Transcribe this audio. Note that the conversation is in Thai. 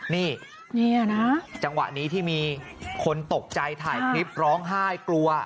นี่นะจังหวะนี้ที่มีคนตกใจถ่ายคลิปร้องไห้กลัว